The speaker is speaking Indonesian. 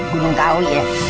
bingung kau ya